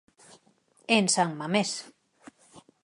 En San Mamés.